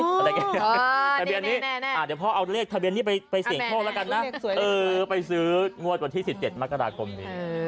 เดี๋ยวพ่อเอาเลขทะเบียนนี้ไปเสี่ยงโทษละกันนะไปซื้องวดวันที่๑๗มากราคมนี้